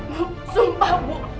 bu sumpah bu